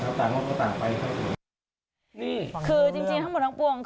ครับต่างก็ต่างไปครับผมนี่คือจริงทั้งหมดทั้งปวงคือ